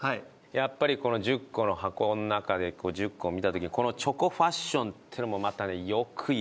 やっぱりこの１０個の箱の中で１０個を見た時にこのチョコファッションってのもまたよくいます。